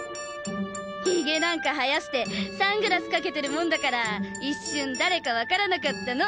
ヒゲなんか生やしてサングラスかけてるもんだから一瞬誰かわからなかったの。